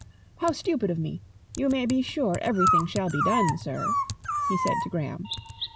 "How stupid of me! You may be sure everything shall be done, sir," he said to Graham.